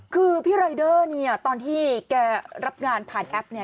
คือพี่รายเดอร์เนี่ยตอนที่แกรับงานผ่านแอปเนี่ย